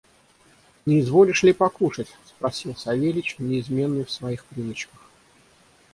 – Не изволишь ли покушать? – спросил Савельич, неизменный в своих привычках.